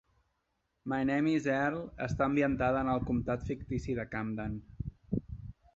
My Name Is Earl està ambientada en el comtat fictici de Camden.